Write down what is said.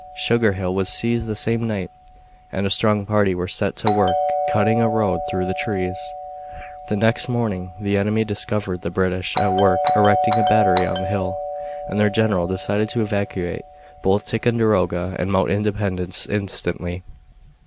Sugar Hill was seized the same night, and a strong party were set to work cutting a road through the trees. The next morning the enemy discovered the British at work erecting a battery on the hill, and their general decided to evacuate both Ticonderoga and Mount Independence instantly.